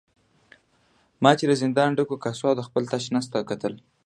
ما چې د زندان ډکو کاسو او خپل تش نس ته کتل.